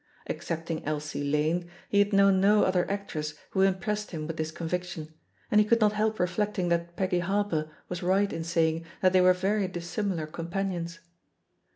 Excepting Elsie Lane, he had known no other actress who im JHE POSITION OF PEGGY HARPER 69 pressed him with this conviction, and he could not help reflecting that Peggy Harper was right in saying that they were very dissimilar com panions.